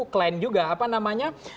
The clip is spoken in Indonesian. klien juga apa namanya